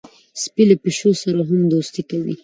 سپي له پیشو سره هم دوستي کوي.